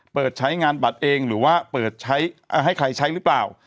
เปิดใช้งานบัตรเองหรือว่าเปิดใช้ให้ใครใช้หรือเปล่า